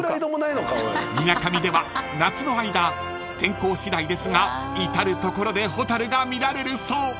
［みなかみでは夏の間天候次第ですが至る所で蛍が見られるそう］